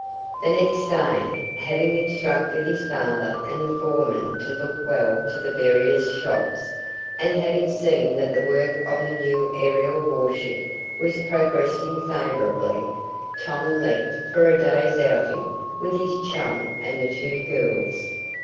The next day, having instructed his father and the foremen to look well to the various shops, and having seen that the work on the new aerial warship was progressing favorably, Tom left for a day's outing with his chum and the two girls.